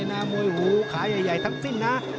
มวยหูขาใหญ่ทั้งสิ้นนะ